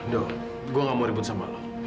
doh gue gak mau ribut sama lo